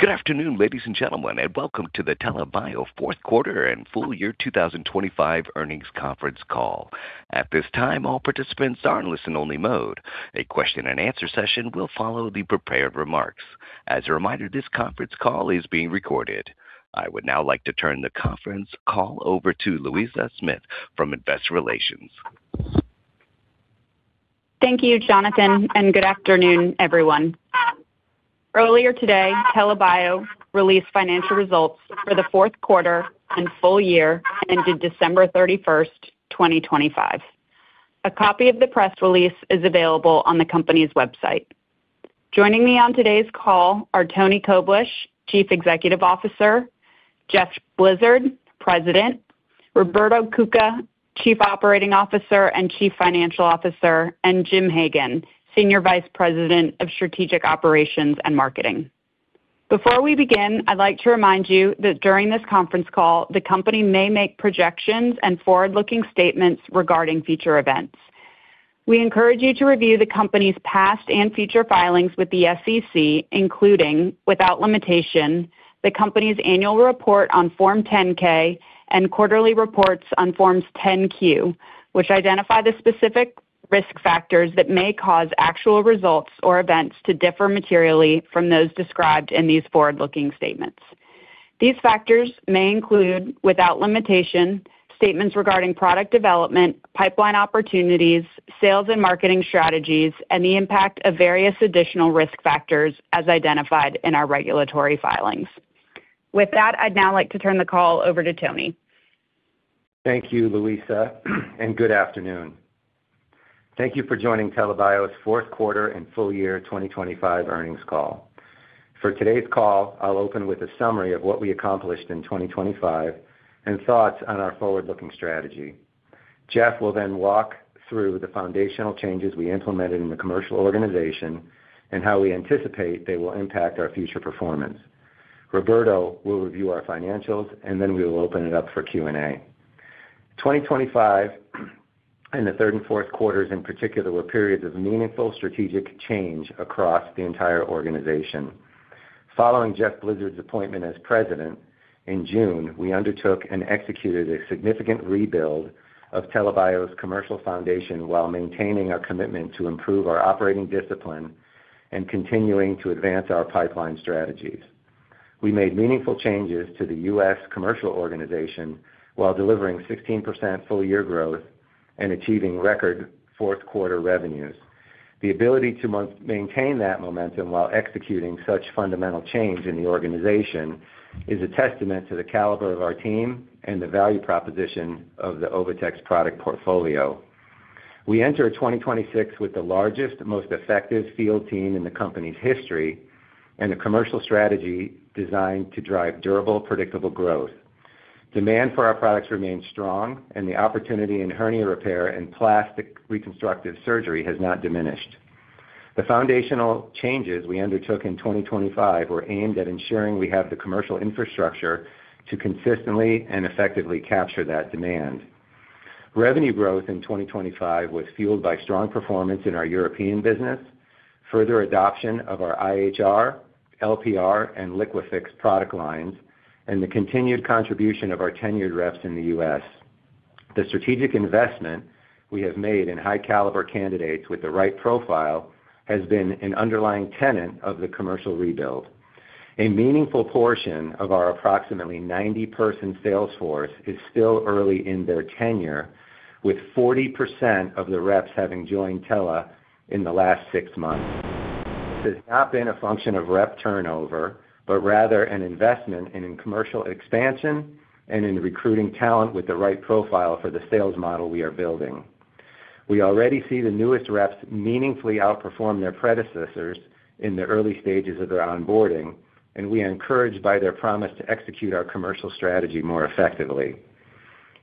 Good afternoon, ladies and gentlemen, and welcome to the TELA Bio fourth quarter and full year 2025 earnings conference call. At this time, all participants are in listen-only mode. A question-and-answer session will follow the prepared remarks. As a reminder, this conference call is being recorded. I would now like to turn the conference call over to Louisa Smith from Investor Relations. Thank you, Jonathan, and good afternoon, everyone. Earlier today, TELA Bio released financial results for the fourth quarter and full year ended December 31, 2025. A copy of the press release is available on the company's website. Joining me on today's call are Antony Koblish, Chief Executive Officer, Jeffrey Blizard, President, Roberto Cuca, Chief Operating Officer and Chief Financial Officer, and Jim Hagen, Senior Vice President of Strategic Operations and Marketing. Before we begin, I'd like to remind you that during this conference call, the company may make projections and forward-looking statements regarding future events. We encourage you to review the company's past and future filings with the SEC, including, without limitation, the company's annual report on Form 10-K and quarterly reports on Forms 10-Q, which identify the specific risk factors that may cause actual results or events to differ materially from those described in these forward-looking statements. These factors may include, without limitation, statements regarding product development, pipeline opportunities, sales and marketing strategies, and the impact of various additional risk factors as identified in our regulatory filings. With that, I'd now like to turn the call over to Tony. Thank you, Louisa, and good afternoon. Thank you for joining TELA Bio's fourth quarter and full year 2025 earnings call. For today's call, I'll open with a summary of what we accomplished in 2025 and thoughts on our forward-looking strategy. Jeff will then walk through the foundational changes we implemented in the commercial organization and how we anticipate they will impact our future performance. Roberto will review our financials, and then we will open it up for Q&A. 2025, and the third and fourth quarters in particular, were periods of meaningful strategic change across the entire organization. Following Jeff Blizard's appointment as President in June, we undertook and executed a significant rebuild of TELA Bio's commercial foundation while maintaining our commitment to improve our operating discipline and continuing to advance our pipeline strategies. We made meaningful changes to the U.S. commercial organization while delivering 16% full-year growth and achieving record fourth-quarter revenues. The ability to maintain that momentum while executing such fundamental change in the organization is a testament to the caliber of our team and the value proposition of the OviTex product portfolio. We enter 2026 with the largest, most effective field team in the company's history and a commercial strategy designed to drive durable, predictable growth. Demand for our products remains strong, and the opportunity in hernia repair and plastic reconstructive surgery has not diminished. The foundational changes we undertook in 2025 were aimed at ensuring we have the commercial infrastructure to consistently and effectively capture that demand. Revenue growth in 2025 was fueled by strong performance in our European business, further adoption of our IHR, LPR, and LIQUIFIX product lines, and the continued contribution of our tenured reps in the U.S. The strategic investment we have made in high-caliber candidates with the right profile has been an underlying tenet of the commercial rebuild. A meaningful portion of our approximately 90-person sales force is still early in their tenure, with 40% of the reps having joined TELA in the last six months. This has not been a function of rep turnover, but rather an investment in commercial expansion and in recruiting talent with the right profile for the sales model we are building. We already see the newest reps meaningfully outperform their predecessors in the early stages of their onboarding, and we are encouraged by their promise to execute our commercial strategy more effectively.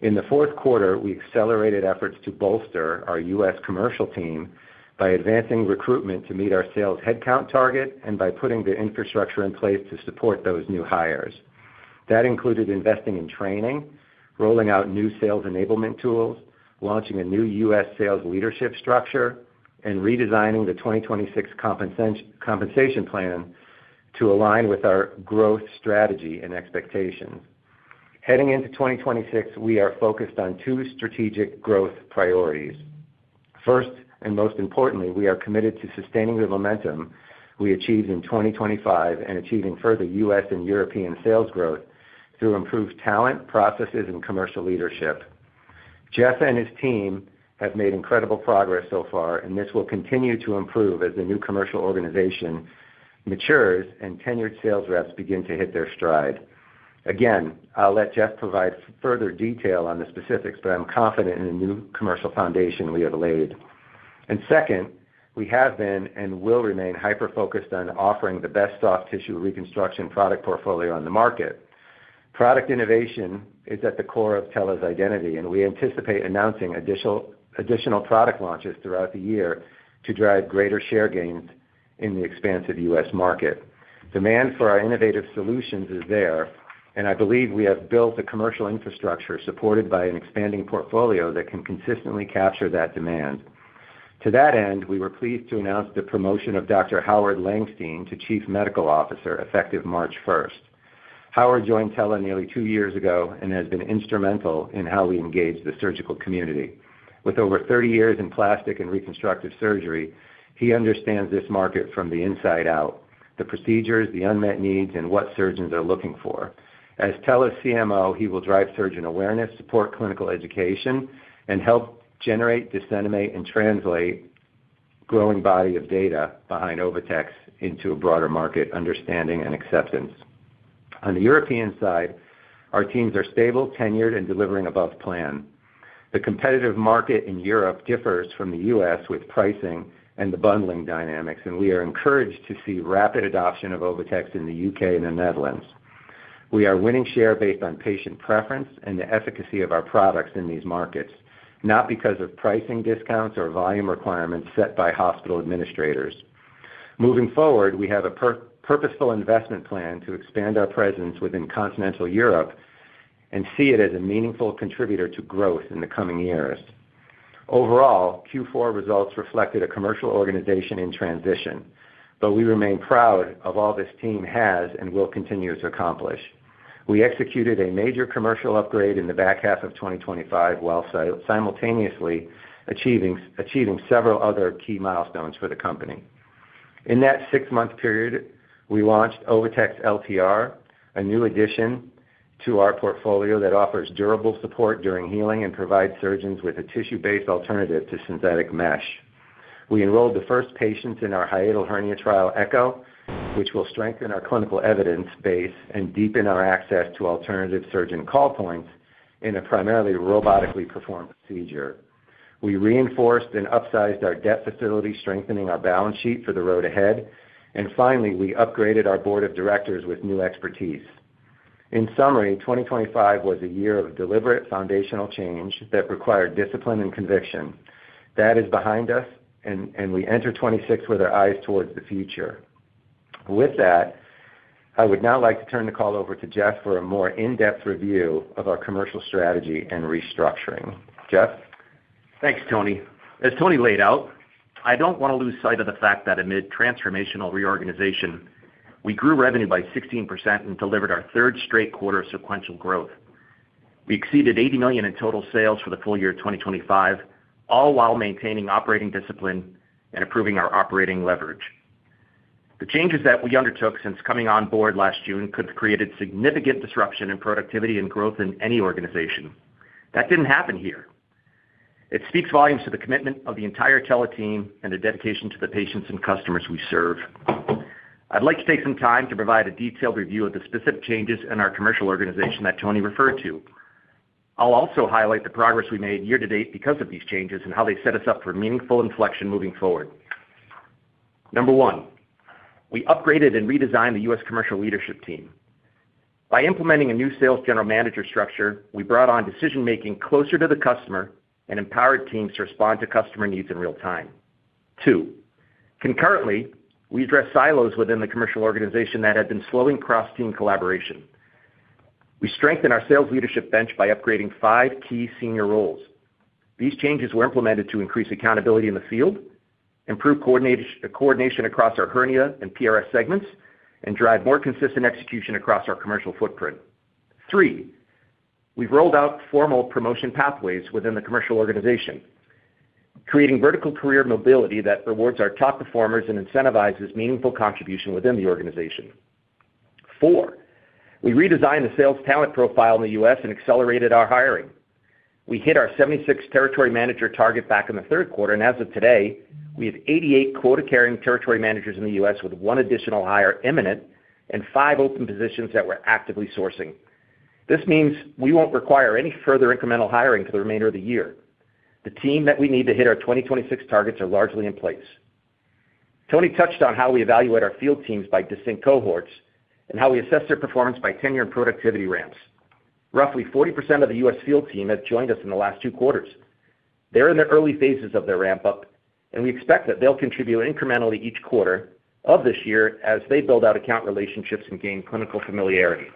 In the fourth quarter, we accelerated efforts to bolster our U.S. commercial team by advancing recruitment to meet our sales headcount target and by putting the infrastructure in place to support those new hires. That included investing in training, rolling out new sales enablement tools, launching a new U.S. sales leadership structure, and redesigning the 2026 compensation plan to align with our growth strategy and expectations. Heading into 2026, we are focused on two strategic growth priorities. First, and most importantly, we are committed to sustaining the momentum we achieved in 2025 and achieving further U.S. and European sales growth through improved talent, processes, and commercial leadership. Jeff and his team have made incredible progress so far, and this will continue to improve as the new commercial organization matures and tenured sales reps begin to hit their stride. Again, I'll let Jeff provide further detail on the specifics, but I'm confident in the new commercial foundation we have laid. Second, we have been and will remain hyper-focused on offering the best soft tissue reconstruction product portfolio on the market. Product innovation is at the core of TELA's identity, and we anticipate announcing additional product launches throughout the year to drive greater share gains in the expansive U.S. market. Demand for our innovative solutions is there, and I believe we have built the commercial infrastructure supported by an expanding portfolio that can consistently capture that demand. To that end, we were pleased to announce the promotion of Dr. Howard Langstein to Chief Medical Officer effective March first. Howard joined TELA nearly two years ago and has been instrumental in how we engage the surgical community. With over 30 years in plastic and reconstructive surgery, he understands this market from the inside out, the procedures, the unmet needs, and what surgeons are looking for. As TELA's CMO, he will drive surgeon awareness, support clinical education, and help generate, disseminate, and translate growing body of data behind OviTex into a broader market understanding and acceptance. On the European side, our teams are stable, tenured and delivering above plan. The competitive market in Europe differs from the U.S. with pricing and the bundling dynamics, and we are encouraged to see rapid adoption of OviTex in the U.K. and the Netherlands. We are winning share based on patient preference and the efficacy of our products in these markets, not because of pricing discounts or volume requirements set by hospital administrators. Moving forward, we have a purposeful investment plan to expand our presence within continental Europe and see it as a meaningful contributor to growth in the coming years. Overall, Q4 results reflected a commercial organization in transition, but we remain proud of all this team has and will continue to accomplish. We executed a major commercial upgrade in the back half of 2025, while simultaneously achieving several other key milestones for the company. In that six-month period, we launched OviTex LTR, a new addition to our portfolio that offers durable support during healing and provides surgeons with a tissue-based alternative to synthetic mesh. We enrolled the first patients in our hiatal hernia trial ECHO, which will strengthen our clinical evidence base and deepen our access to alternative surgeon call points in a primarily robotically performed procedure. We reinforced and upsized our debt facility, strengthening our balance sheet for the road ahead. Finally, we upgraded our board of directors with new expertise. In summary, 2025 was a year of deliberate foundational change that required discipline and conviction. That is behind us and we enter 2026 with our eyes towards the future. With that, I would now like to turn the call over to Jeff for a more in-depth review of our commercial strategy and restructuring. Jeff? Thanks, Tony. As Tony laid out, I don't want to lose sight of the fact that amid transformational reorganization, we grew revenue by 16% and delivered our third straight quarter of sequential growth. We exceeded $80 million in total sales for the full year 2025, all while maintaining operating discipline and improving our operating leverage. The changes that we undertook since coming on board last June could have created significant disruption in productivity and growth in any organization. That didn't happen here. It speaks volumes to the commitment of the entire TELA team and the dedication to the patients and customers we serve. I'd like to take some time to provide a detailed review of the specific changes in our commercial organization that Tony referred to. I'll also highlight the progress we made year to date because of these changes and how they set us up for meaningful inflection moving forward. Number one, we upgraded and redesigned the U.S. commercial leadership team. By implementing a new sales general manager structure, we brought on decision-making closer to the customer and empowered teams to respond to customer needs in real time. Two, concurrently, we addressed silos within the commercial organization that had been slowing cross-team collaboration. We strengthened our sales leadership bench by upgrading five key senior roles. These changes were implemented to increase accountability in the field, improve coordination across our hernia and PRS segments, and drive more consistent execution across our commercial footprint. Three, we've rolled out formal promotion pathways within the commercial organization, creating vertical career mobility that rewards our top performers and incentivizes meaningful contribution within the organization. Four, we redesigned the sales talent profile in the U.S. and accelerated our hiring. We hit our 76 territory manager target back in the third quarter, and as of today, we have 88 quota-carrying territory managers in the U.S. with 1 additional hire imminent and 5 open positions that we're actively sourcing. This means we won't require any further incremental hiring for the remainder of the year. The team that we need to hit our 2026 targets are largely in place. Tony touched on how we evaluate our field teams by distinct cohorts and how we assess their performance by tenure and productivity ramps. Roughly 40% of the U.S. field team has joined us in the last two quarters. They're in the early phases of their ramp up, and we expect that they'll contribute incrementally each quarter of this year as they build out account relationships and gain clinical familiarity.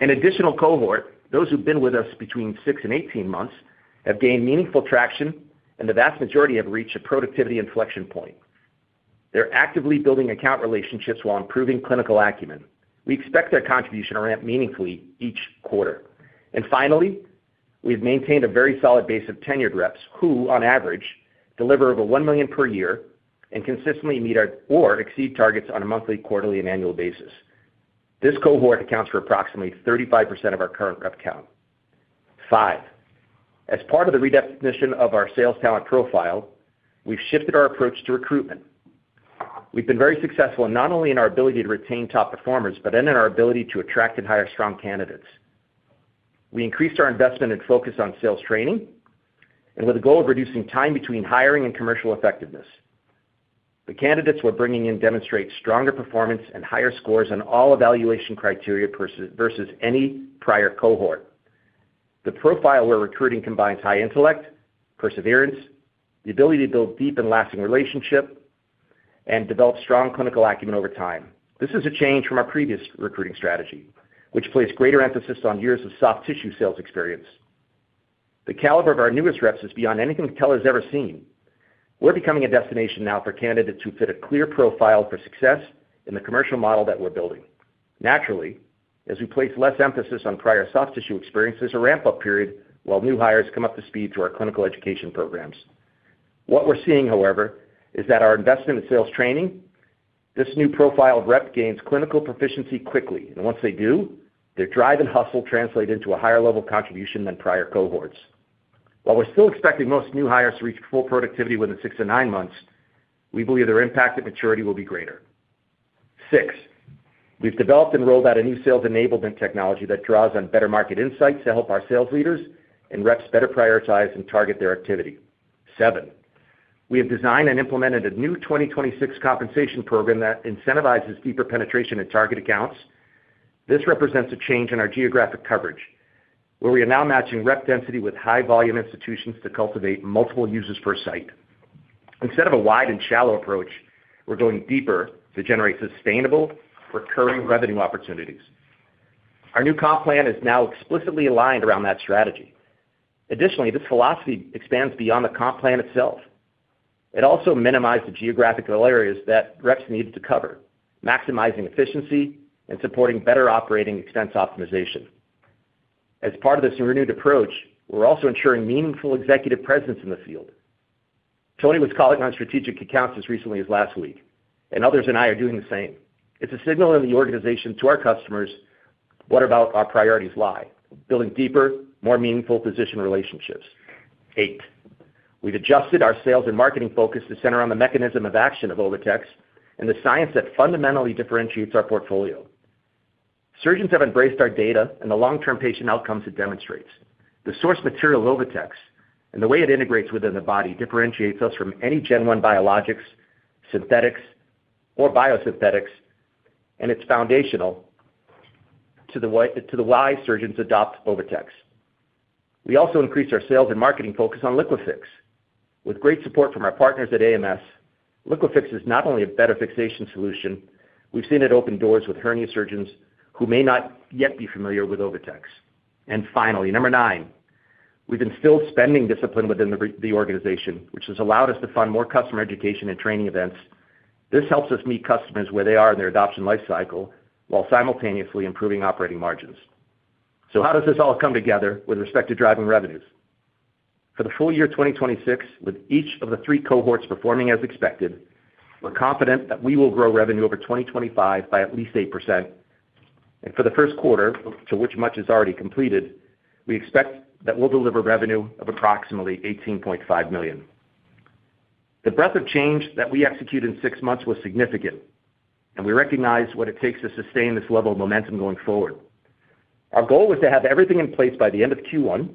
An additional cohort, those who've been with us between 6 and 18 months, have gained meaningful traction, and the vast majority have reached a productivity inflection point. They're actively building account relationships while improving clinical acumen. We expect their contribution to ramp meaningfully each quarter. Finally, we've maintained a very solid base of tenured reps who, on average, deliver over $1 million per year and consistently meet or exceed targets on a monthly, quarterly, and annual basis. This cohort accounts for approximately 35% of our current rep count. 5, as part of the redefinition of our sales talent profile, we've shifted our approach to recruitment. We've been very successful not only in our ability to retain top performers, but then in our ability to attract and hire strong candidates. We increased our investment and focus on sales training and with a goal of reducing time between hiring and commercial effectiveness. The candidates we're bringing in demonstrate stronger performance and higher scores on all evaluation criteria versus any prior cohort. The profile we're recruiting combines high intellect, perseverance, the ability to build deep and lasting relationships and develop strong clinical acumen over time. This is a change from our previous recruiting strategy, which placed greater emphasis on years of soft tissue sales experience. The caliber of our newest reps is beyond anything TELA's ever seen. We're becoming a destination now for candidates who fit a clear profile for success in the commercial model that we're building. Naturally, as we place less emphasis on prior soft tissue experience, there's a ramp-up period while new hires come up to speed through our clinical education programs. What we're seeing, however, is that our investment in sales training, this new profile of rep gains clinical proficiency quickly. Once they do, their drive and hustle translate into a higher level of contribution than prior cohorts. While we're still expecting most new hires to reach full productivity within 6 to 9 months, we believe their impact and maturity will be greater. 6, we've developed and rolled out a new sales enablement technology that draws on better market insights to help our sales leaders and reps better prioritize and target their activity. 7, we have designed and implemented a new 2026 compensation program that incentivizes deeper penetration in target accounts. This represents a change in our geographic coverage, where we are now matching rep density with high volume institutions to cultivate multiple users per site. Instead of a wide and shallow approach, we're going deeper to generate sustainable recurring revenue opportunities. Our new comp plan is now explicitly aligned around that strategy. Additionally, this philosophy expands beyond the comp plan itself. It also minimized the geographical areas that reps needed to cover, maximizing efficiency and supporting better operating expense optimization. As part of this renewed approach, we're also ensuring meaningful executive presence in the field. Tony was calling on strategic accounts as recently as last week, and others and I are doing the same. It's a signal in the organization to our customers where our priorities lie, building deeper, more meaningful physician relationships. Eight, we've adjusted our sales and marketing focus to center on the mechanism of action of OviTex and the science that fundamentally differentiates our portfolio. Surgeons have embraced our data and the long-term patient outcomes it demonstrates. The source material, OviTex, and the way it integrates within the body differentiates us from any gen one biologics, synthetics or biosynthetics, and it's foundational to the why surgeons adopt OviTex. We also increased our sales and marketing focus on LIQUIFIX with great support from our partners at AMS. LIQUIFIX is not only a better fixation solution. We've seen it open doors with hernia surgeons who may not yet be familiar with OviTex. Finally, number nine, we've instilled spending discipline within the organization, which has allowed us to fund more customer education and training events. This helps us meet customers where they are in their adoption life cycle, while simultaneously improving operating margins. How does this all come together with respect to driving revenues? For the full year 2026, with each of the three cohorts performing as expected, we're confident that we will grow revenue over 2025 by at least 8%. For the first quarter, to which much is already completed, we expect that we'll deliver revenue of approximately $18.5 million. The breadth of change that we execute in six months was significant, and we recognize what it takes to sustain this level of momentum going forward. Our goal was to have everything in place by the end of Q1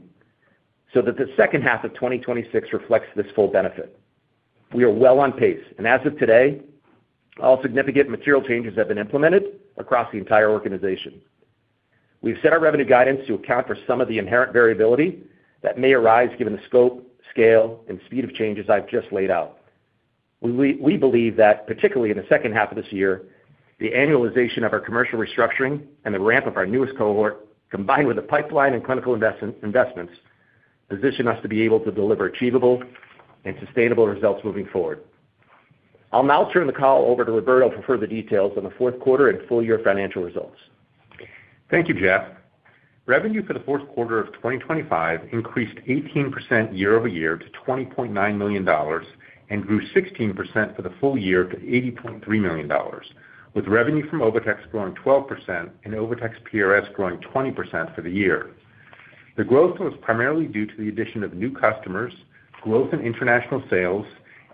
so that the second half of 2026 reflects this full benefit. We are well on pace, and as of today, all significant material changes have been implemented across the entire organization. We've set our revenue guidance to account for some of the inherent variability that may arise given the scope, scale, and speed of changes I've just laid out. We believe that particularly in the second half of this year, the annualization of our commercial restructuring and the ramp of our newest cohort, combined with the pipeline and clinical investments, position us to be able to deliver achievable and sustainable results moving forward. I'll now turn the call over to Roberto for further details on the fourth quarter and full year financial results. Thank you, Jeff. Revenue for the fourth quarter of 2025 increased 18% year-over-year to $20.9 million and grew 16% for the full year to $80.3 million, with revenue from OviTex growing 12% and OviTex PRS growing 20% for the year. The growth was primarily due to the addition of new customers, growth in international sales,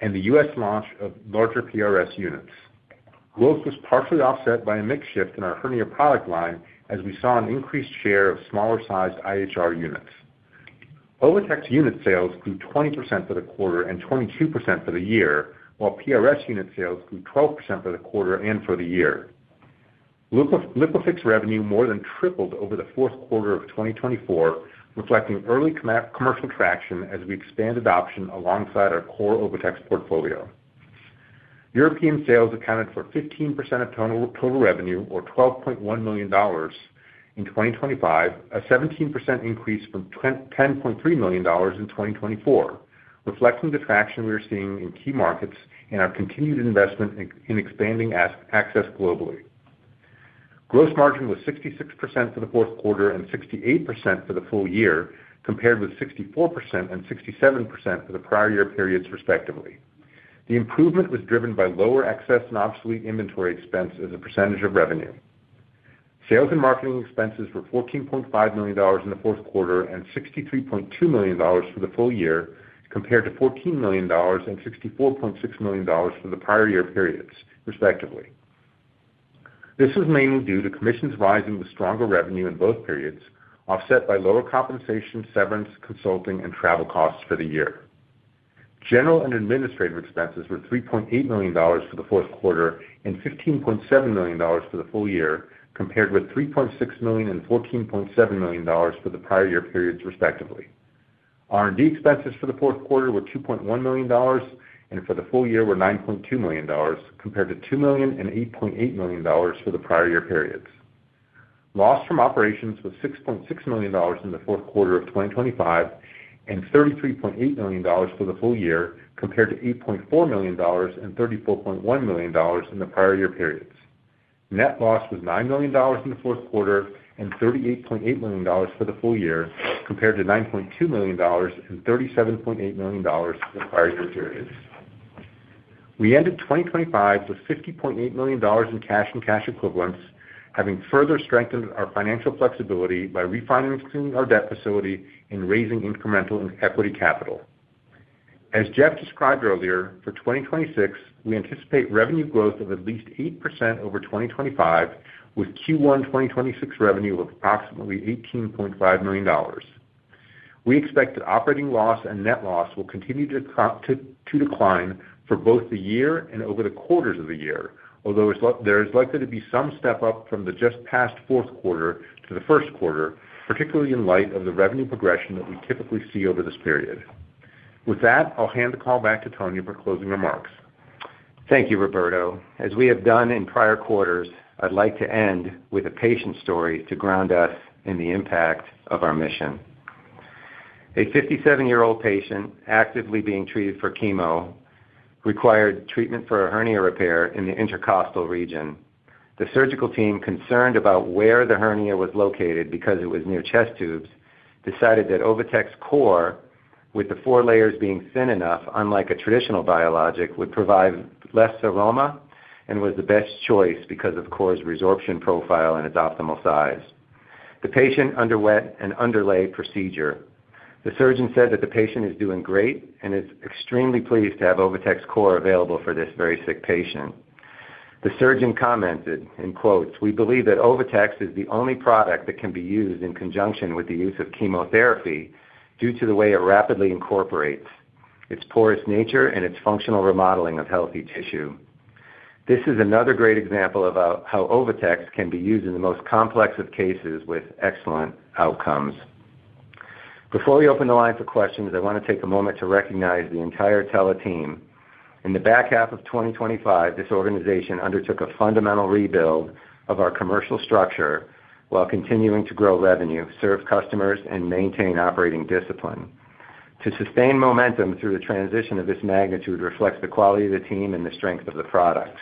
and the U.S. launch of larger PRS units. Growth was partially offset by a mix shift in our hernia product line as we saw an increased share of smaller sized IHR units. OviTex unit sales grew 20% for the quarter and 22% for the year, while PRS unit sales grew 12% for the quarter and for the year. LIQUIFIX revenue more than tripled over the fourth quarter of 2024, reflecting early commercial traction as we expand adoption alongside our core OviTex portfolio. European sales accounted for 15% of total revenue or $12.1 million in 2025, a 17% increase from $10.3 million in 2024, reflecting the traction we are seeing in key markets and our continued investment in expanding access globally. Gross margin was 66% for the fourth quarter and 68% for the full year, compared with 64% and 67% for the prior year periods, respectively. The improvement was driven by lower excess and obsolete inventory expense as a percentage of revenue. Sales and marketing expenses were $14.5 million in the fourth quarter and $63.2 million for the full year, compared to $14 million and $64.6 million for the prior year periods, respectively. This was mainly due to commissions rising with stronger revenue in both periods, offset by lower compensation, severance, consulting, and travel costs for the year. General and administrative expenses were $3.8 million for the fourth quarter and $15.7 million for the full year, compared with $3.6 million and $14.7 million for the prior year periods, respectively. R&D expenses for the fourth quarter were $2.1 million, and for the full year were $9.2 million compared to $2 million and $8.8 million for the prior year periods. Loss from operations was $6.6 million in the fourth quarter of 2025, and $33.8 million for the full year compared to $8.4 million and $34.1 million in the prior year periods. Net loss was $9 million in the fourth quarter and $38.8 million for the full year compared to $9.2 million and $37.8 million in the prior year periods. We ended 2025 with $50.8 million in cash and cash equivalents, having further strengthened our financial flexibility by refinancing our debt facility and raising incremental and equity capital. As Jeff described earlier, for 2026, we anticipate revenue growth of at least 8% over 2025, with Q1 2026 revenue of approximately $18.5 million. We expect that operating loss and net loss will continue to decline for both the year and over the quarters of the year, although there is likely to be some step-up from the just past fourth quarter to the first quarter, particularly in light of the revenue progression that we typically see over this period. With that, I'll hand the call back to Tony for closing remarks. Thank you, Roberto. As we have done in prior quarters, I'd like to end with a patient story to ground us in the impact of our mission. A 57-year-old patient actively being treated for chemo required treatment for a hernia repair in the intercostal region. The surgical team concerned about where the hernia was located because it was near chest tubes decided that OviTex Core, with the 4 layers being thin enough, unlike a traditional biologic, would provide less seroma and was the best choice because of Core's resorption profile and its optimal size. The patient underwent an underlay procedure. The surgeon said that the patient is doing great and is extremely pleased to have OviTex Core available for this very sick patient. The surgeon commented, in quotes, "We believe that OviTex is the only product that can be used in conjunction with the use of chemotherapy due to the way it rapidly incorporates its porous nature and its functional remodeling of healthy tissue." This is another great example about how OviTex can be used in the most complex of cases with excellent outcomes. Before we open the line for questions, I want to take a moment to recognize the entire TELA team. In the back half of 2025, this organization undertook a fundamental rebuild of our commercial structure while continuing to grow revenue, serve customers, and maintain operating discipline. To sustain momentum through the transition of this magnitude reflects the quality of the team and the strength of the products.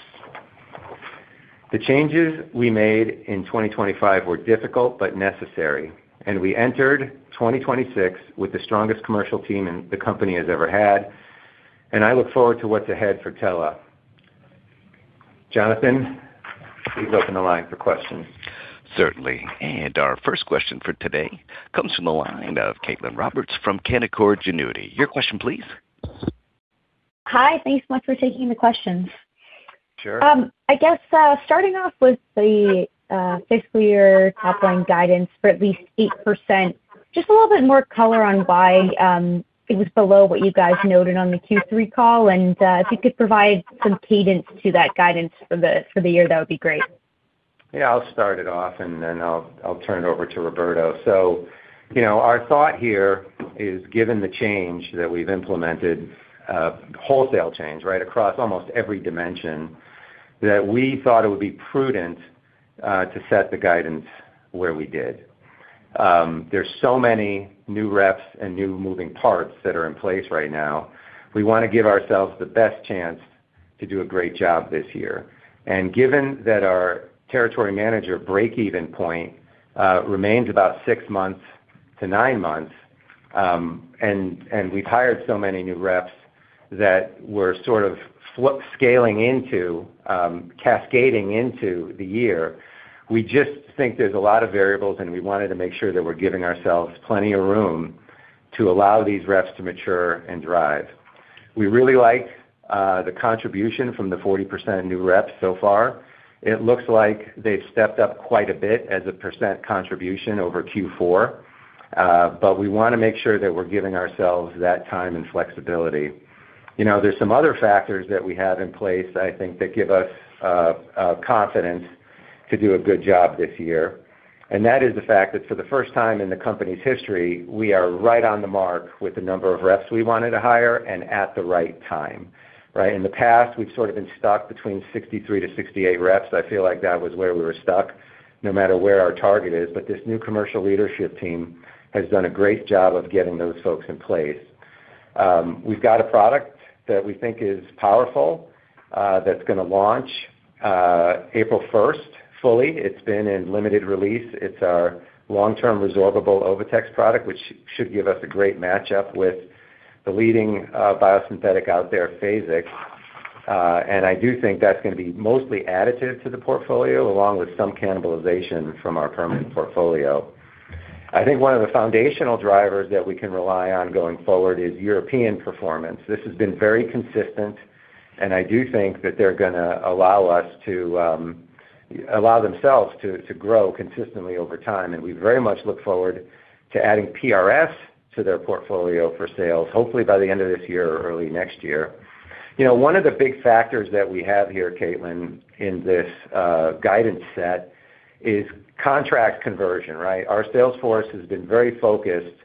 The changes we made in 2025 were difficult but necessary, and we entered 2026 with the strongest commercial team the company has ever had, and I look forward to what's ahead for TELA Bio. Jonathan, please open the line for questions. Certainly. Our first question for today comes from the line of Caitlin Roberts from Canaccord Genuity. Your question, please. Hi. Thanks so much for taking the questions. Sure. I guess starting off with the fiscal year top line guidance for at least 8%, just a little bit more color on why it was below what you guys noted on the Q3 call, and if you could provide some cadence to that guidance for the year, that would be great. Yeah, I'll start it off, and then I'll turn it over to Roberto. Our thought here is given the change that we've implemented, wholesale change right across almost every dimension, that we thought it would be prudent to set the guidance where we did. There's so many new reps and new moving parts that are in place right now. We wanna give ourselves the best chance to do a great job this year. Given that our territory manager break-even point remains about 6 months-9 months, and we've hired so many new reps that we're sort of flip scaling into, cascading into the year, we just think there's a lot of variables, and we wanted to make sure that we're giving ourselves plenty of room to allow these reps to mature and drive. We really like the contribution from the 40% new reps so far. It looks like they've stepped up quite a bit as a percent contribution over Q4, but we wanna make sure that we're giving ourselves that time and flexibility. You know, there's some other factors that we have in place, I think, that give us confidence to do a good job this year. That is the fact that for the first time in the company's history, we are right on the mark with the number of reps we wanted to hire and at the right time, right? In the past, we've sort of been stuck between 63-68 reps. I feel like that was where we were stuck no matter where our target is. This new commercial leadership team has done a great job of getting those folks in place. We've got a product that we think is powerful, that's gonna launch April first fully. It's been in limited release. It's our long-term resorbable OviTex product, which should give us a great match-up with the leading biosynthetic out there, Phasix. I do think that's gonna be mostly additive to the portfolio, along with some cannibalization from our permanent portfolio. I think one of the foundational drivers that we can rely on going forward is European performance. This has been very consistent, and I do think that they're gonna allow themselves to grow consistently over time, and we very much look forward to adding PRS to their portfolio for sales, hopefully by the end of this year or early next year. You know, one of the big factors that we have here, Caitlin, in this guidance set is contract conversion, right? Our sales force has been very focused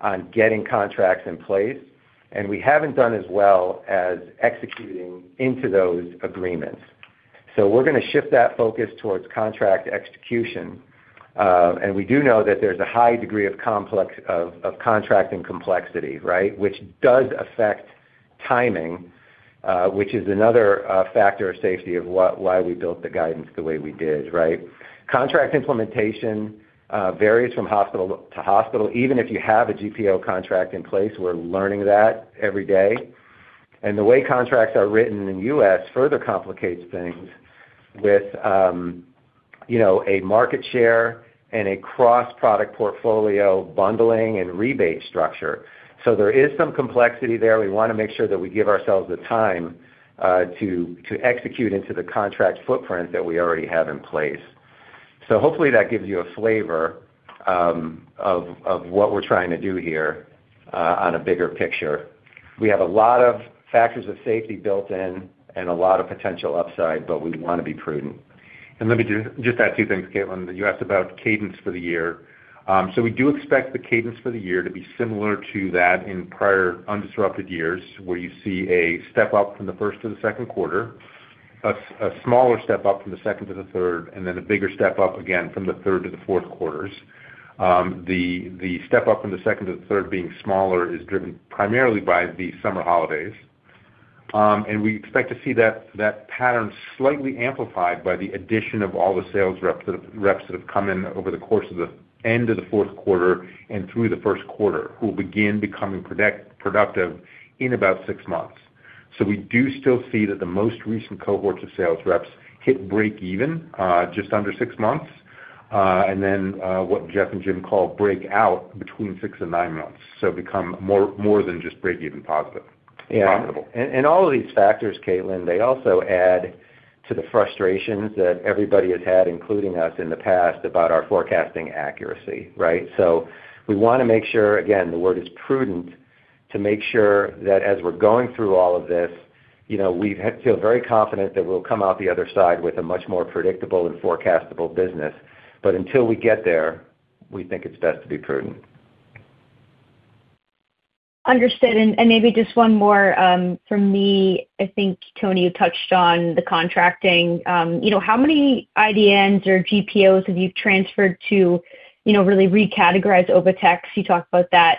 on getting contracts in place, and we haven't done as well as executing into those agreements. We're gonna shift that focus towards contract execution. We do know that there's a high degree of contracting complexity, right? Which does affect timing, which is another factor as to why we built the guidance the way we did, right? Contract implementation varies from hospital to hospital. Even if you have a GPO contract in place, we're learning that every day. The way contracts are written in the U.S. further complicates things with, you know, a market share and a cross-product portfolio bundling and rebate structure. There is some complexity there. We wanna make sure that we give ourselves the time to execute into the contract footprint that we already have in place. Hopefully that gives you a flavor of what we're trying to do here on a bigger picture. We have a lot of factors of safety built in and a lot of potential upside, but we wanna be prudent. Let me just add two things, Caitlin. You asked about cadence for the year. We do expect the cadence for the year to be similar to that in prior undisrupted years, where you see a step up from the first to the second quarter, a smaller step up from the second to the third, and then a bigger step up again from the third to the fourth quarters. The step up from the second to the third being smaller is driven primarily by the summer holidays. We expect to see that pattern slightly amplified by the addition of all the sales reps that have come in over the course of the end of the fourth quarter and through the first quarter, who will begin becoming productive in about six months. We do still see that the most recent cohorts of sales reps hit break even just under 6 months, and then what Jeff and Jim call break out between 6 and 9 months, so become more than just break even positive. Yeah. -profitable. All of these factors, Caitlin, they also add to the frustrations that everybody has had, including us in the past, about our forecasting accuracy, right? We wanna make sure, again, the word is prudent, to make sure that as we're going through all of this, you know, we feel very confident that we'll come out the other side with a much more predictable and forecastable business. Until we get there, we think it's best to be prudent. Understood. Maybe just one more from me. I think Tony touched on the contracting. You know, how many IDNs or GPOs have you transferred to, you know, really recategorize OviTex? You talked about that,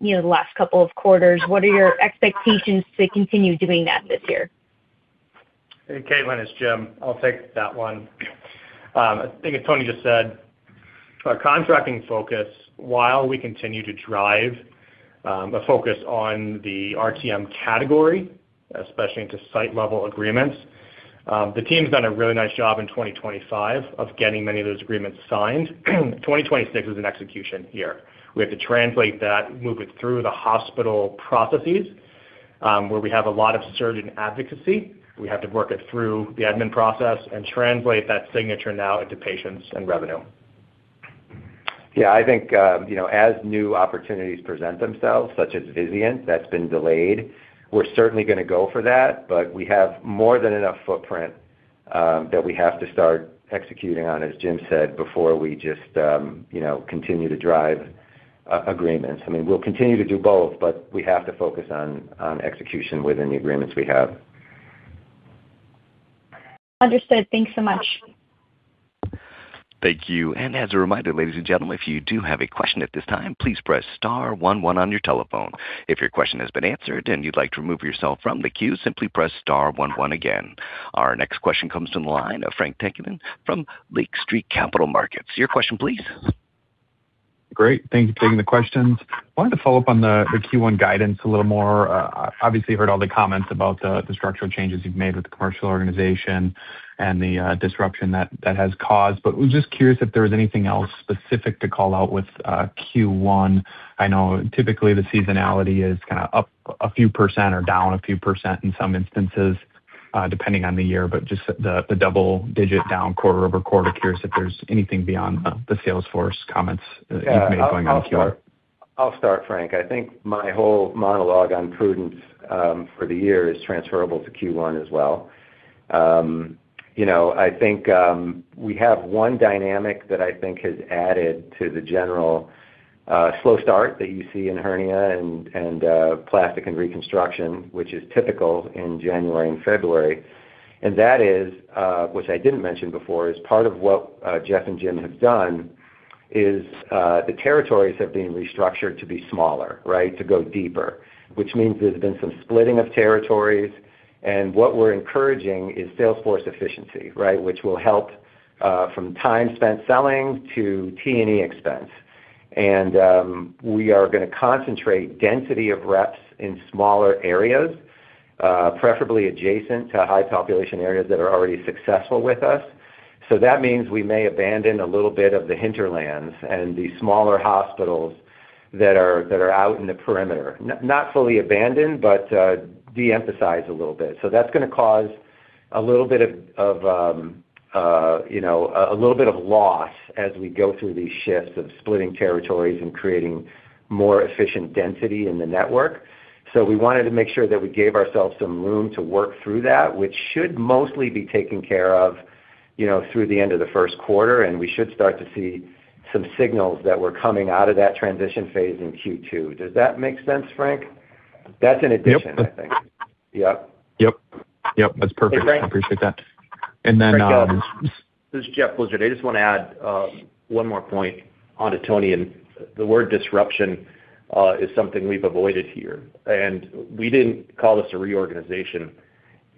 you know, the last couple of quarters. What are your expectations to continue doing that this year? Hey, Caitlin, it's Jim. I'll take that one. I think as Tony just said, our contracting focus while we continue to drive a focus on the RTM category, especially into site-level agreements, the team's done a really nice job in 2025 of getting many of those agreements signed. 2026 is an execution year. We have to translate that, move it through the hospital processes, where we have a lot of surgeon advocacy. We have to work it through the admin process and translate that signature now into patients and revenue. Yeah. I think, you know, as new opportunities present themselves, such as Vizient, that's been delayed, we're certainly gonna go for that. We have more than enough footprint that we have to start executing on, as Jim said, before we just, you know, continue to drive agreements. I mean, we'll continue to do both, but we have to focus on execution within the agreements we have. Understood. Thanks so much. Thank you. As a reminder, ladies and gentlemen, if you do have a question at this time, please press star one one on your telephone. If your question has been answered and you'd like to remove yourself from the queue, simply press star one one again. Our next question comes from the line of Frank Takkinen from Lake Street Capital Markets. Your question please. Great. Thank you for taking the questions. Wanted to follow up on the Q1 guidance a little more. Obviously heard all the comments about the structural changes you've made with the commercial organization and the disruption that has caused. Was just curious if there was anything else specific to call out with Q1. I know typically the seasonality is kind of up a few% or down a few% in some instances, depending on the year, just the double-digit down quarter-over-quarter. Curious if there's anything beyond the sales force comments you've made going into Q1. Yeah. I'll start, Frank. I think my whole monologue on prudence for the year is transferable to Q1 as well. You know, I think we have one dynamic that I think has added to the general slow start that you see in hernia and plastic and reconstruction, which is typical in January and February. That is, which I didn't mention before, is part of what Jeff and Jim have done is the territories have been restructured to be smaller, right? To go deeper. Which means there's been some splitting of territories. What we're encouraging is sales force efficiency, right? Which will help from time spent selling to T&E expense. We are gonna concentrate density of reps in smaller areas, preferably adjacent to high population areas that are already successful with us. That means we may abandon a little bit of the hinterlands and the smaller hospitals that are out in the perimeter. Not fully abandoned, but de-emphasize a little bit. That's gonna cause a little bit of you know a little bit of loss as we go through these shifts of splitting territories and creating more efficient density in the network. We wanted to make sure that we gave ourselves some room to work through that, which should mostly be taken care of, you know, through the end of the first quarter, and we should start to see some signals that we're coming out of that transition phase in Q2. Does that make sense, Frank? That's an addition, I think. Yep. Yep. Yep. Yep, that's perfect. Hey, Frank. I appreciate that. Frank, this is Jeffrey Blizard. I just want to add one more point onto Tony, and the word disruption is something we've avoided here. We didn't call this a reorganization.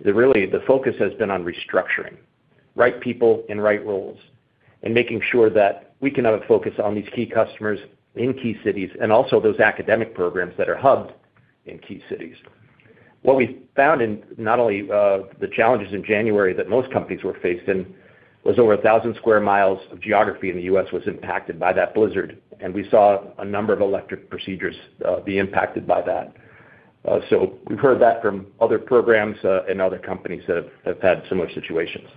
Really, the focus has been on restructuring, right people in right roles, and making sure that we can have a focus on these key customers in key cities and also those academic programs that are hubbed in key cities. What we found in not only the challenges in January that most companies were faced in was over 1,000 square miles of geography in the U.S. was impacted by that blizzard, and we saw a number of elective procedures be impacted by that. We've heard that from other programs and other companies that have had similar situations.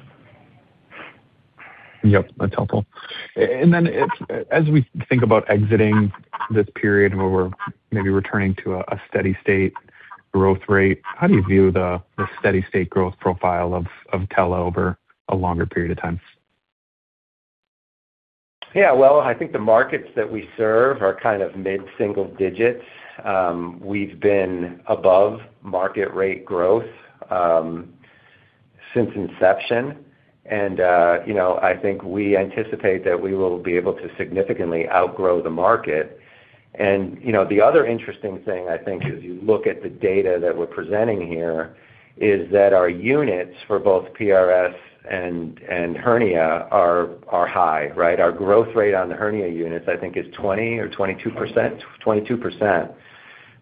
Yep, that's helpful. As we think about exiting this period where we're maybe returning to a steady state growth rate, how do you view the steady state growth profile of TELA over a longer period of time? Yeah, well, I think the markets that we serve are kind of mid-single digits%. We've been above market rate growth since inception. You know, I think we anticipate that we will be able to significantly outgrow the market. You know, the other interesting thing I think as you look at the data that we're presenting here is that our units for both PRS and hernia are high, right? Our growth rate on the hernia units, I think is 20% or 22%. 22%,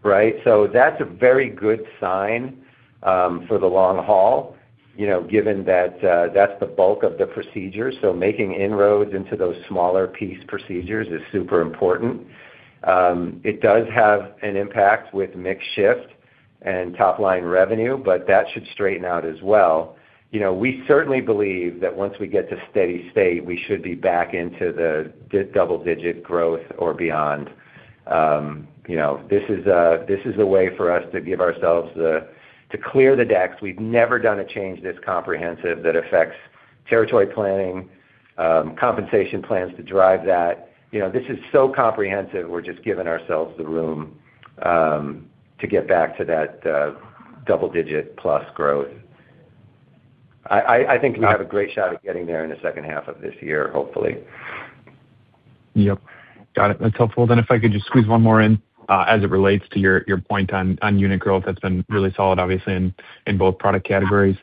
right. That's a very good sign for the long haul, you know, given that that's the bulk of the procedure. Making inroads into those smaller piece procedures is super important. It does have an impact with mix shift and top line revenue, but that should straighten out as well. You know, we certainly believe that once we get to steady state, we should be back into the double-digit growth or beyond. You know, this is a way for us to give ourselves the to clear the decks. We've never done a change this comprehensive that affects territory planning, compensation plans to drive that. You know, this is so comprehensive, we're just giving ourselves the room to get back to that, double-digit plus growth. I think we have a great shot of getting there in the second half of this year, hopefully. Yep. Got it. That's helpful. If I could just squeeze one more in, as it relates to your point on unit growth that's been really solid, obviously, in both product categories.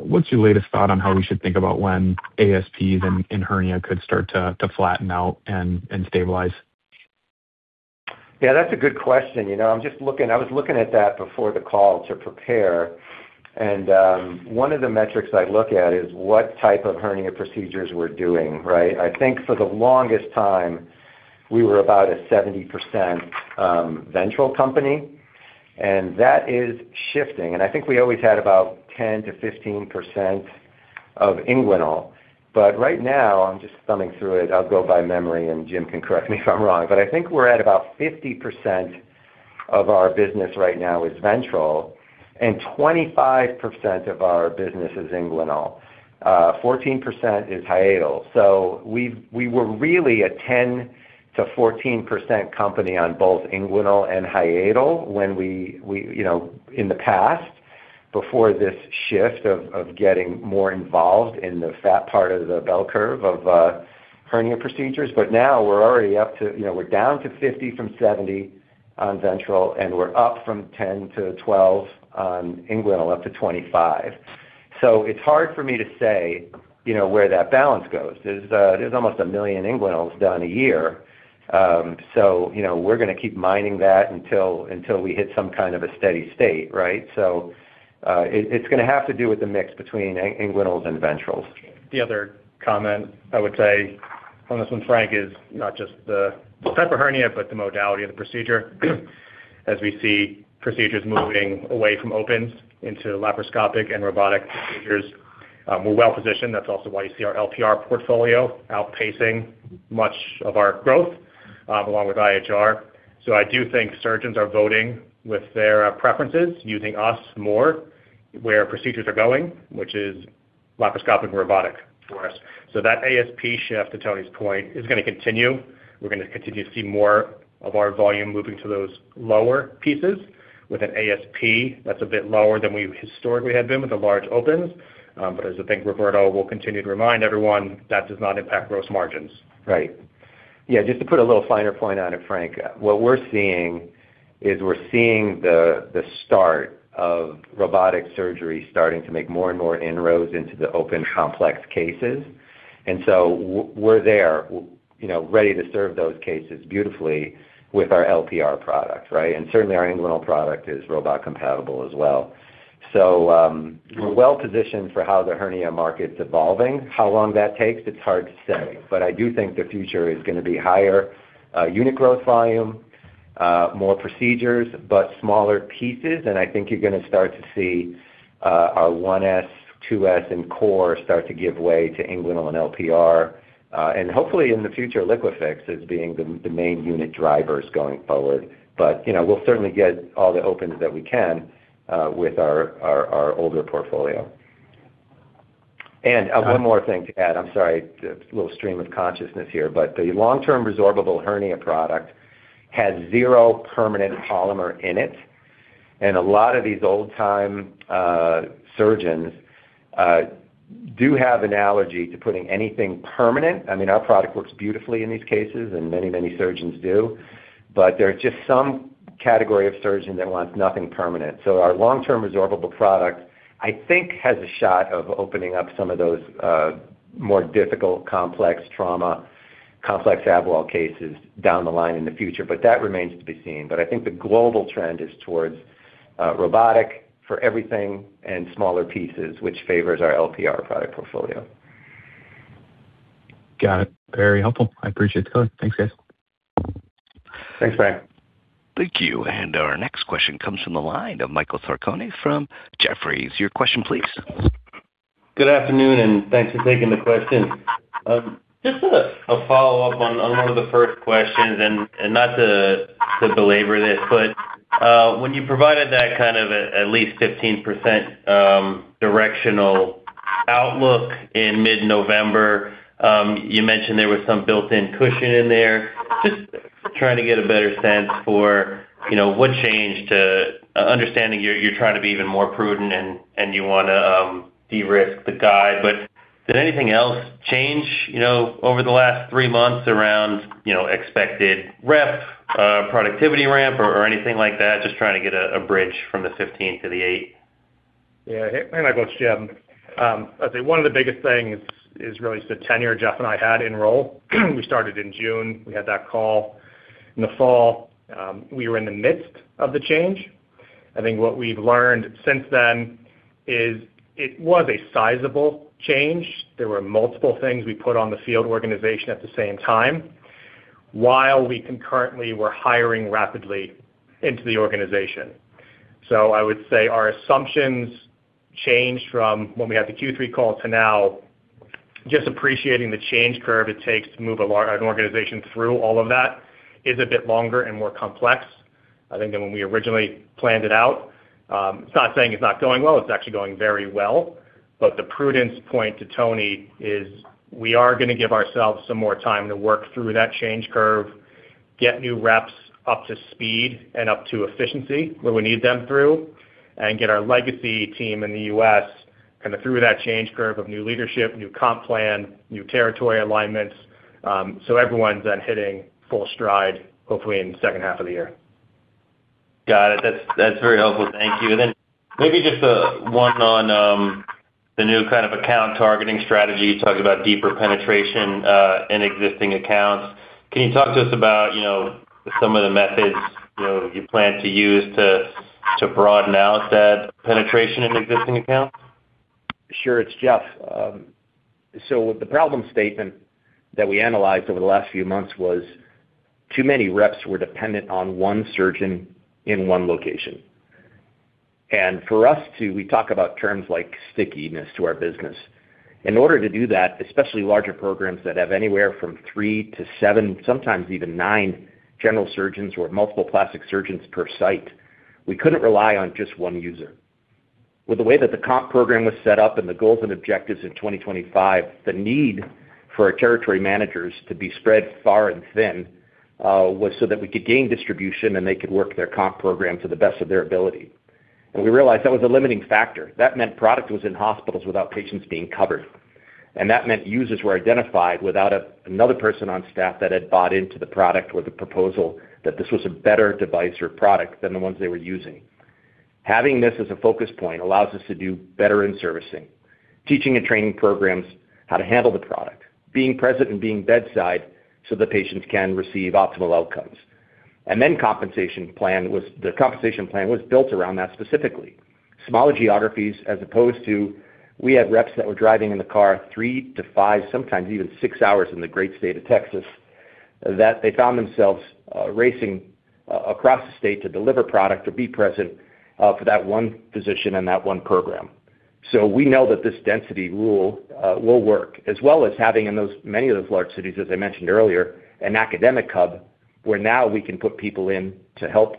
What's your latest thought on how we should think about when ASPs in hernia could start to flatten out and stabilize? Yeah, that's a good question. You know, I was looking at that before the call to prepare. One of the metrics I look at is what type of hernia procedures we're doing, right? I think for the longest time, we were about a 70% ventral company, and that is shifting. I think we always had about 10%-15% of inguinal. Right now, I'm just thumbing through it. I'll go by memory, and Jim can correct me if I'm wrong, but I think we're at about 50% of our business right now is ventral and 25% of our business is inguinal. 14% is hiatal. We were really a 10%-14% company on both inguinal and hiatal when we in the past, before this shift of getting more involved in the fat part of the bell curve of hernia procedures. Now we're already up to, we're down to 50% from 70% on ventral, and we're up from 10%-12% on inguinal, up to 25%. It's hard for me to say where that balance goes. There's almost 1 million inguinals done a year. We're gonna keep mining that until we hit some kind of a steady state, right? It's gonna have to do with the mix between inguinals and ventrals. The other comment I would say on this one, Frank, is not just the type of hernia, but the modality of the procedure. As we see procedures moving away from opens into laparoscopic and robotic procedures, we're well positioned. That's also why you see our LPR portfolio outpacing much of our growth, along with IHR. I do think surgeons are voting with their preferences, using us more where procedures are going, which is laparoscopic robotic for us. That ASP shift, to Tony's point, is gonna continue. We're gonna continue to see more of our volume moving to those lower pieces with an ASP that's a bit lower than we historically had been with the large opens. As I think Roberto will continue to remind everyone, that does not impact gross margins. Right. Yeah, just to put a little finer point on it, Frank, what we're seeing is the start of robotic surgery starting to make more and more inroads into the open complex cases. We're there, you know, ready to serve those cases beautifully with our LPR products, right? Certainly, our inguinal product is robot compatible as well. We're well-positioned for how the hernia market's evolving. How long that takes, it's hard to say. I do think the future is gonna be higher unit growth volume. More procedures, but smaller pieces. I think you're gonna start to see our 1S, 2S, and core start to give way to inguinal and LPR, and hopefully in the future, LIQUIFIX as being the main unit drivers going forward. You know, we'll certainly get all the opens that we can with our older portfolio. One more thing to add. I'm sorry, a little stream of consciousness here. The long-term resorbable hernia product has zero permanent polymer in it, and a lot of these old-time surgeons do have an allergy to putting anything permanent. I mean, our product works beautifully in these cases, and many surgeons do, but there are just some category of surgeons that wants nothing permanent. Our long-term resorbable product, I think, has a shot of opening up some of those more difficult complex trauma, complex abdominal cases down the line in the future, but that remains to be seen. I think the global trend is towards robotic for everything and smaller pieces, which favors our LPR product portfolio. Got it. Very helpful. I appreciate the color. Thanks, guys. Thanks, Frank. Thank you. Our next question comes from the line of Michael Sarcone from Jefferies. Your question please. Good afternoon, and thanks for taking the question. Just A follow-up on one of the first questions, and not to belabor this, but when you provided that kind of a at least 15% directional outlook in mid-November, you mentioned there was some built-in cushion in there. Just trying to get a better sense for, you know, what changed, understanding you're trying to be even more prudent and you wanna de-risk the guide. Did anything else change, you know, over the last three months around, you know, expected rep productivity ramp or anything like that? Just trying to get a bridge from the 15% to the 8%. Yeah. Hey, Michael, it's Jim. I'd say one of the biggest things is really just the tenure Jeff and I had in role. We started in June. We had that call in the fall. We were in the midst of the change. I think what we've learned since then is it was a sizable change. There were multiple things we put on the field organization at the same time while we concurrently were hiring rapidly into the organization. I would say our assumptions changed from when we had the Q3 call to now, just appreciating the change curve it takes to move an organization through all of that is a bit longer and more complex, I think, than when we originally planned it out. It's not saying it's not going well. It's actually going very well. The prudence point to Tony is we are gonna give ourselves some more time to work through that change curve, get new reps up to speed and up to efficiency, where we need them through, and get our legacy team in the U.S. kind of through that change curve of new leadership, new comp plan, new territory alignments, so everyone's then hitting full stride, hopefully in the second half of the year. Got it. That's very helpful. Thank you. Maybe just one on the new kind of account targeting strategy. You talked about deeper penetration in existing accounts. Can you talk to us about, you know, some of the methods, you know, you plan to use to broaden out that penetration in existing accounts? Sure. It's Jeff Blizard. The problem statement that we analyzed over the last few months was too many reps were dependent on one surgeon in one location. We talk about terms like stickiness to our business. In order to do that, especially larger programs that have anywhere from 3-7, sometimes even 9 general surgeons or multiple plastic surgeons per site, we couldn't rely on just one user. With the way that the comp program was set up and the goals and objectives in 2025, the need for our territory managers to be spread far and thin was so that we could gain distribution, and they could work their comp program to the best of their ability. We realized that was a limiting factor. That meant product was in hospitals without patients being covered, and that meant users were identified without another person on staff that had bought into the product or the proposal that this was a better device or product than the ones they were using. Having this as a focus point allows us to do better in servicing, teaching and training programs how to handle the product, being present and being bedside so the patients can receive optimal outcomes. The compensation plan was built around that specifically. Smaller geographies as opposed to we had reps that were driving in the car 3-5, sometimes even 6 hours in the great state of Texas, that they found themselves racing across the state to deliver product, to be present for that one physician and that one program. We know that this density rule will work, as well as having in many of those large cities, as I mentioned earlier, an academic hub, where now we can put people in to help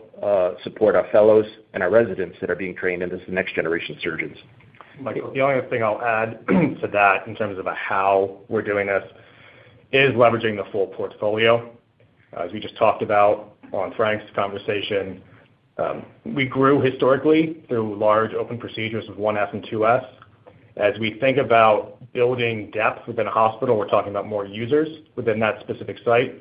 support our fellows and our residents that are being trained as the next generation surgeons. Michael, the only other thing I'll add to that in terms of how we're doing this is leveraging the full portfolio. As we just talked about on Frank's conversation, we grew historically through large open procedures with 1S and 2S. As we think about building depth within a hospital, we're talking about more users within that specific site.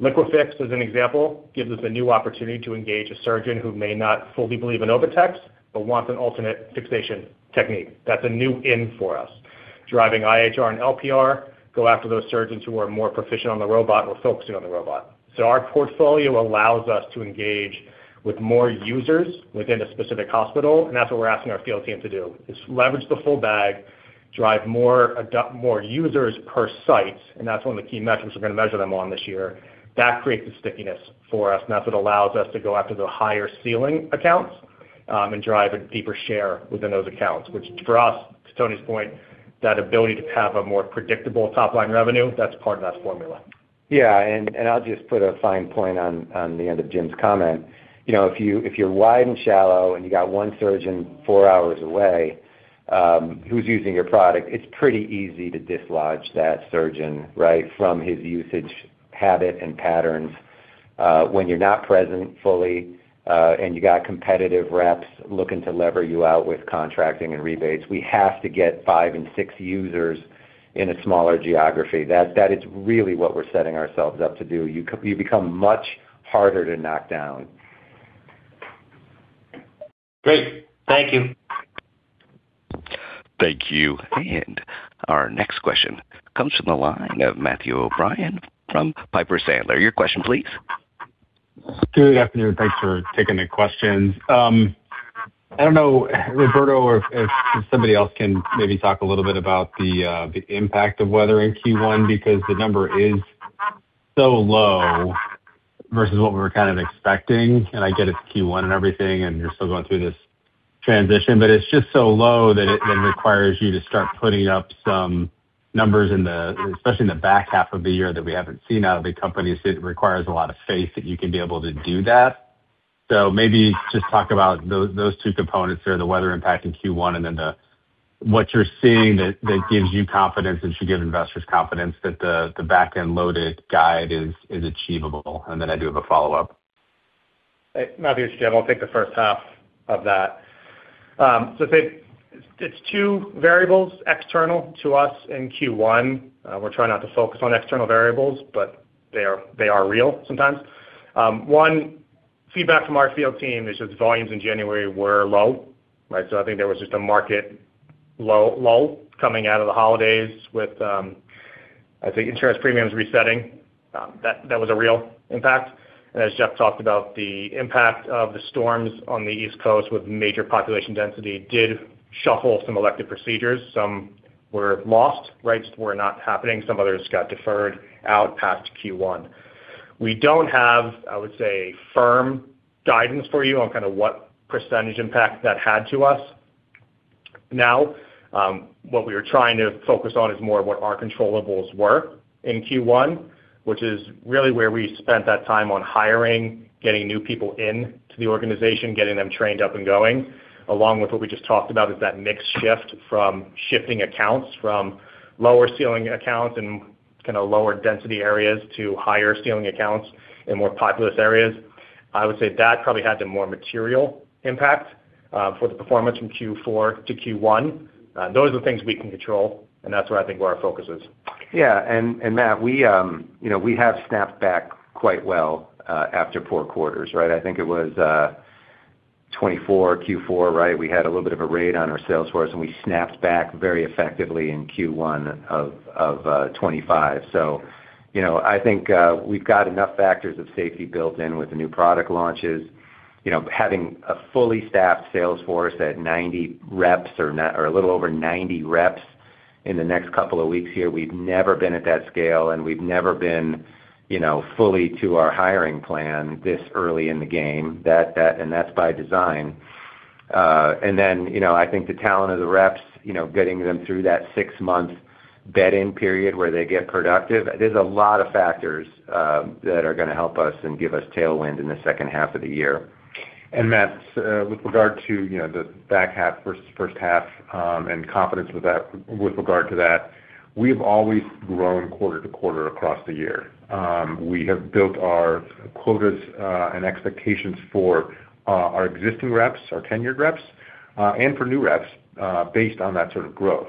LIQUIFIX, as an example, gives us a new opportunity to engage a surgeon who may not fully believe in OviTex but wants an alternate fixation technique. That's a new in for us. Driving IHR and LPR go after those surgeons who are more proficient on the robot or focusing on the robot. Our portfolio allows us to engage with more users within a specific hospital, and that's what we're asking our field team to do, is leverage the full bag. Drive more users per site, and that's one of the key metrics we're gonna measure them on this year. That creates the stickiness for us, and that's what allows us to go after the higher ceiling accounts, and drive a deeper share within those accounts, which for us, to Tony's point, that ability to have a more predictable top-line revenue, that's part of that formula. I'll just put a fine point on the end of Jim's comment. You know, if you're wide and shallow, and you got one surgeon four hours away, who's using your product, it's pretty easy to dislodge that surgeon, right, from his usage habit and patterns, when you're not present fully, and you got competitive reps looking to lever you out with contracting and rebates. We have to get five and six users in a smaller geography. That is really what we're setting ourselves up to do. You become much harder to knock down. Great. Thank you. Thank you. Our next question comes from the line of Matthew O'Brien from Piper Sandler. Your question please. Good afternoon. Thanks for taking the questions. I don't know, Roberto, or if somebody else can maybe talk a little bit about the impact of weather in Q1 because the number is so low versus what we were kind of expecting. I get it's Q1 and everything, and you're still going through this transition, but it's just so low that it then requires you to start putting up some numbers in the, especially in the back half of the year that we haven't seen out of the company. It requires a lot of faith that you can be able to do that. Maybe just talk about those two components there, the weather impact in Q1 and then the what you're seeing that gives you confidence and should give investors confidence that the back-end loaded guide is achievable. I do have a follow-up. Matthew, it's Jim. I'll take the first half of that. I'd say it's two variables external to us in Q1. We're trying not to focus on external variables, but they are real sometimes. One, feedback from our field team is just volumes in January were low, right? I think there was just a market lull coming out of the holidays with, I think insurance premiums resetting, that was a real impact. As Jeff talked about, the impact of the storms on the East Coast with major population density did shuffle some elective procedures. Some were lost, right, just were not happening. Some others got deferred out past Q1. We don't have, I would say, firm guidance for you on kinda what percentage impact that had to us. Now, what we are trying to focus on is more what our controllables were in Q1, which is really where we spent that time on hiring, getting new people into the organization, getting them trained up and going, along with what we just talked about is that mix shift from shifting accounts from lower ceiling accounts and kinda lower density areas to higher ceiling accounts in more populous areas. I would say that probably had the more material impact for the performance from Q4 to Q1. Those are things we can control, and that's where I think our focus is. Matthew, you know, we have snapped back quite well after poor quarters, right? I think it was 2024 Q4, right? We had a little bit of a raid on our sales force, and we snapped back very effectively in Q1 of 2025. You know, I think we've got enough factors of safety built in with the new product launches. You know, having a fully staffed sales force at 90 reps or a little over 90 reps in the next couple of weeks here, we've never been at that scale, and we've never been, you know, fully to our hiring plan this early in the game. That's by design. Then, you know, I think the talent of the reps, you know, getting them through that 6-month bed-in period where they get productive. There's a lot of factors that are gonna help us and give us tailwind in the second half of the year. Matt, with regard to, you know, the back half versus first half, and confidence with that with regard to that, we've always grown quarter to quarter across the year. We have built our quotas, and expectations for, our existing reps, our tenured reps, and for new reps, based on that sort of growth.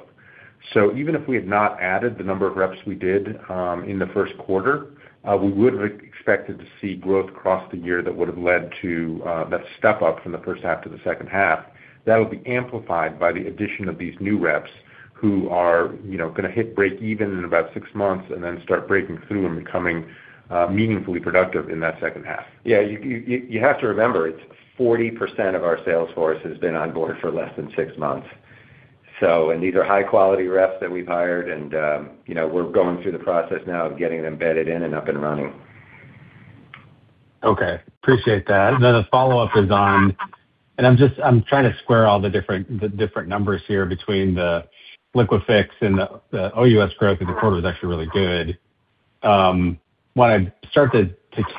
Even if we had not added the number of reps we did, in the first quarter, we would have expected to see growth across the year that would've led to that step up from the first half to the second half. That'll be amplified by the addition of these new reps who are, you know, gonna hit break even in about six months and then start breaking through and becoming, meaningfully productive in that second half. Yeah, you have to remember, it's 40% of our sales force has been on board for less than six months. These are high-quality reps that we've hired and, you know, we're going through the process now of getting them bedded in and up and running. Okay. Appreciate that. The follow-up is on, and I'm trying to square all the different numbers here between the LIQUIFIX and the OUS growth in the quarter is actually really good. When I start to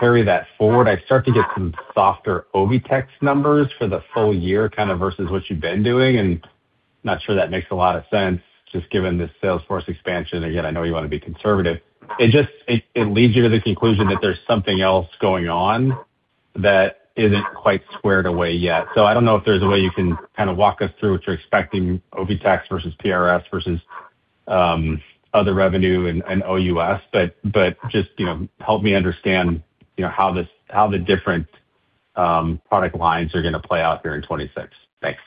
carry that forward, I start to get some softer OviTex numbers for the full year kind of versus what you've been doing, and I'm not sure that makes a lot of sense just given the sales force expansion. Again, I know you wanna be conservative. It just leads you to the conclusion that there's something else going on that isn't quite squared away yet. I don't know if there's a way you can kind of walk us through what you're expecting OviTex versus PRS versus other revenue and OUS, but just, you know, help me understand, you know, how the different product lines are gonna play out here in 2026. Thanks.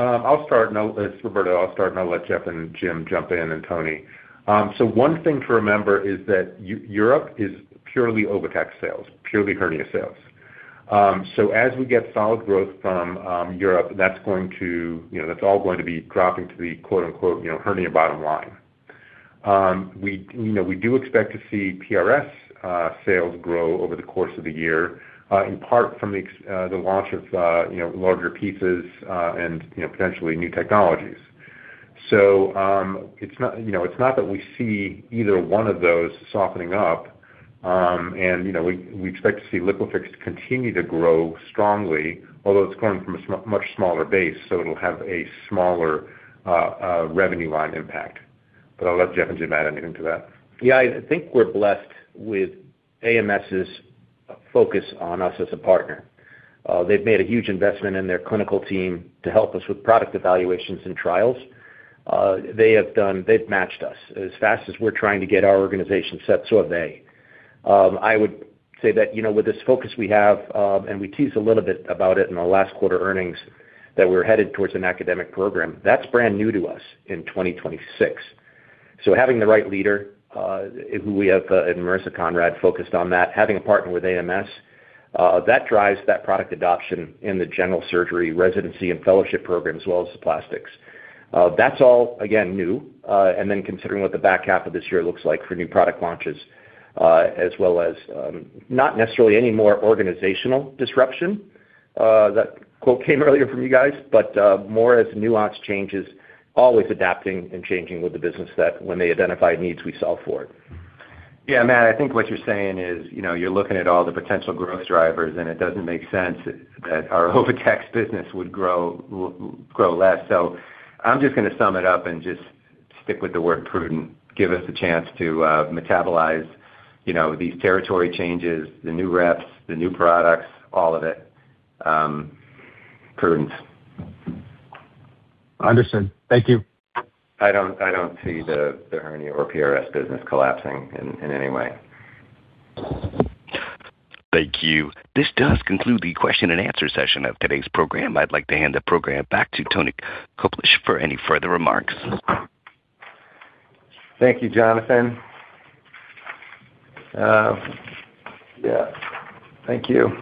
I'll start. It's Roberto. I'll let Jeff and Jim jump in, and Tony. One thing to remember is that our Europe is purely OviTex sales, purely hernia sales. As we get solid growth from Europe, that's going to, you know, that's all going to be dropping to the quote-unquote, you know, hernia bottom line. We, you know, do expect to see PRS sales grow over the course of the year, in part from the launch of, you know, larger pieces, and, you know, potentially new technologies. It's not, you know, that we see either one of those softening up. You know, we expect to see LIQUIFIX continue to grow strongly, although it's going from a much smaller base, so it'll have a smaller revenue line impact. I'll let Jeff and Jim add anything to that. Yeah. I think we're blessed with AMS's focus on us as a partner. They've made a huge investment in their clinical team to help us with product evaluations and trials. They've matched us. As fast as we're trying to get our organization set, so have they. I would say that, you know, with this focus we have, and we teased a little bit about it in our last quarter earnings, that we're headed towards an academic program. That's brand new to us in 2026. Having the right leader, who we have, in Marissa Conrad focused on that, having a partner with AMS, that drives that product adoption in the general surgery residency and fellowship program, as well as the plastics. That's all, again, new. Considering what the back half of this year looks like for new product launches, as well as not necessarily any more organizational disruption. That quote came earlier from you guys, but more as nuanced changes, always adapting and changing with the business that when they identify needs, we solve for it. Yeah. Matt, I think what you're saying is, you know, you're looking at all the potential growth drivers, and it doesn't make sense that our OviTex business would grow less. I'm just gonna sum it up and just stick with the word prudent. Give us a chance to metabolize, you know, these territory changes, the new reps, the new products, all of it. Prudence. Understood. Thank you. I don't see the hernia or PRS business collapsing in any way. Thank you. This does conclude the question and answer session of today's program. I'd like to hand the program back to Antony Koblish for any further remarks. Thank you, Jonathan. Thank you.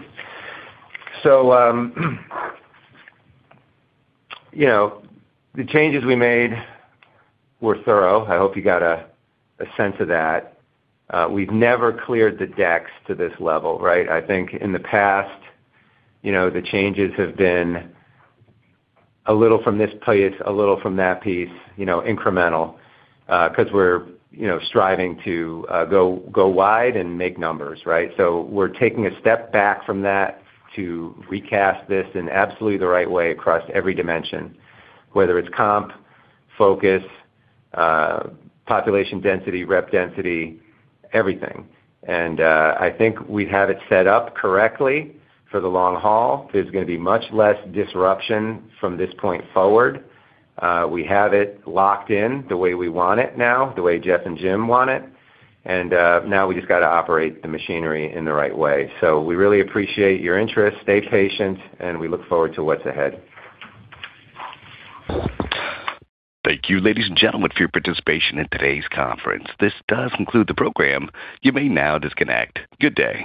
You know, the changes we made were thorough. I hope you got a sense of that. We've never cleared the decks to this level, right? I think in the past, you know, the changes have been a little from this place, a little from that piece, you know, incremental, 'cause we're, you know, striving to go wide and make numbers, right? We're taking a step back from that to recast this in absolutely the right way across every dimension, whether it's comp, focus, population density, rep density, everything. I think we have it set up correctly for the long haul. There's gonna be much less disruption from this point forward. We have it locked in the way we want it now, the way Jeff and Jim want it, and now we just gotta operate the machinery in the right way. We really appreciate your interest. Stay patient, and we look forward to what's ahead. Thank you, ladies and gentlemen, for your participation in today's conference. This does conclude the program. You may now disconnect. Good day.